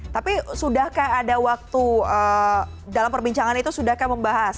tapi sudahkah ada waktu dalam perbincangan itu sudahkah membahas